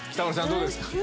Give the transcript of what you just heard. どうですか？